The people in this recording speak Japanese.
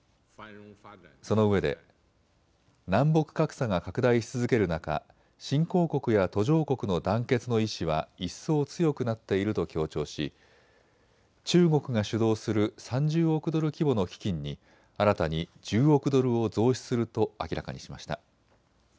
そのうえで南北格差が拡大し続ける中、新興国や途上国の団結の意思は一層強くなっていると強調し中国が主導する３０億ドル規模の基金に新たに１０億ドルを増資すると明らかにしました。